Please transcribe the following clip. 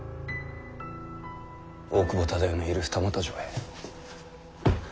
大久保忠世のいる二俣城へ。